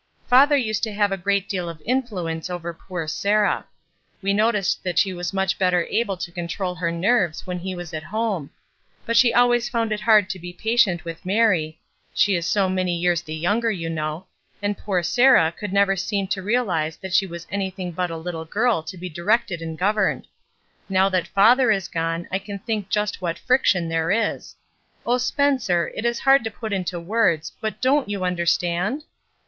Father used to have a great deal of influence over poor Sarah. We noticed that she was much better able to control her nerves when he was at home; but she always found it hard to be patient with Mary, — she is so many years the younger, you know, — and poor Sarah could never seem to reahze that she was anything but 30 THORNS 31 a little girl to be directed and governed. Now that father is gone I can think just what friction there is. Oh, Spencer, it is hard to put it into words, but donH you understand?''